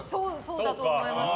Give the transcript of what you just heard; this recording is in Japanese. そうだと思います。